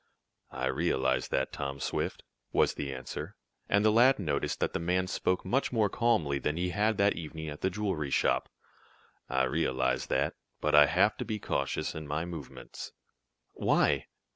"I realize that, Tom Swift," was the answer, and the lad noticed that the man spoke much more calmly than he had that evening at the jewelry shop. "I realize that, but I have to be cautious in my movements." "Why?"